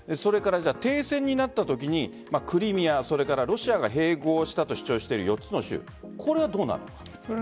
停戦になったときにクリミア、それからロシアが併合したと主張している４つの州これはどうなんでしょう？